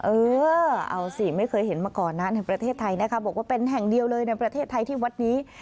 เออเอาสิไม่เคยเห็นมาก่อนนะในประเทศไทยนะคะบอกว่าเป็นแห่งเดียวเลยในประเทศไทยที่วัดนี้